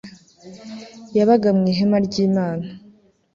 yabaga mu ihema ry Imana